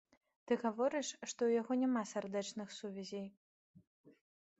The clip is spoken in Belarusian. Ты гаворыш, што ў яго няма сардэчных сувязей.